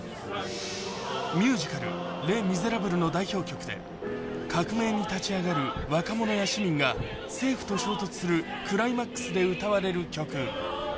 ミュージカル「レ・ミゼラブル」の代表曲で、革命に立ち上がる若者や市民が政府と衝突するクライマックスで歌われる曲。